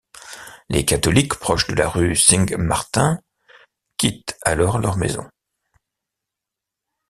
Les catholiques proches de la rue Singmartin quittent alors leur maison.